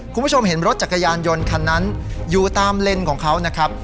คุณผู้ชมเห็นรถจักรยานยนต์คันนั้นอยู่ตามเลนของเขานะครับ